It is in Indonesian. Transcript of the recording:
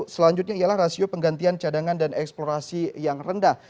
selanjutnya ialah rasio penggantian cadangan dan eksplorasi yang rendah